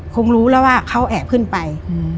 คงรู้แล้วว่าเขาแอบขึ้นไป